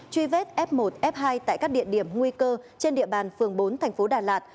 truy vết f một f hai tại các địa điểm nguy cơ trên địa bàn phường bốn thành phố đà lạt